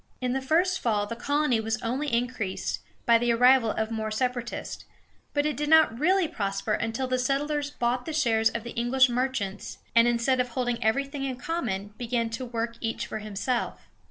In the first fall the colony was increased by the arrival of more Separatists; but it did not really prosper until the settlers bought the shares of the English merchants, and, instead of holding everything in common, began to work each for himself.